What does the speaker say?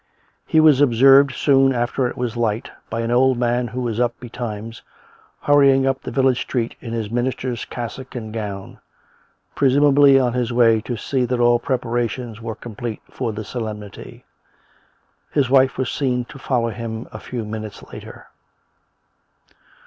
He wasf observed soon after it was light, by an old man who was up betimes, hurrying up the village street in his minister's cassock and gown, presumably on his way to see that all preparations were complete for the solemnity. His wife was seen to follow him a few minutes later.